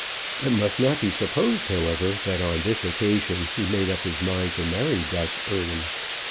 It must not be supposed, however, that on this occasion he made up his mind to marry Gus Eardham.